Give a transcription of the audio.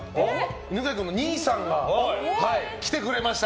犬飼君の兄さんが来てくれました。